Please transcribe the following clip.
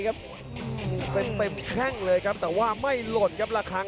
ตามต่อในยกที่สาม